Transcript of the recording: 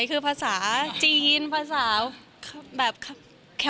อุโมโตะจึงตอนนี้คิดถึงแบบเจนสัญญา